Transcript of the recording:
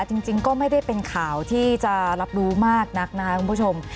จริงก็ไม่ได้เป็นข่าวที่จะรับรู้มากนักนะคะคุณผู้ชม